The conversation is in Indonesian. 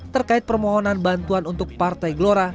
terkait permohonan bantuan untuk partai gelora